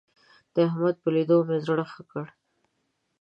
د احمد په ليدو مې زړه ښه کړ.